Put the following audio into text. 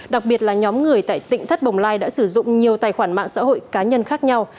đặc biệt là nhóm người tại tỉnh thất bồng lai đã sử dụng nhiều tài khoản mạng xã hội cá nhân khác nhau